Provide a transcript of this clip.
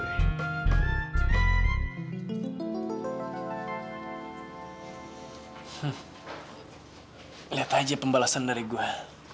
lihat aja pembalasan dari gue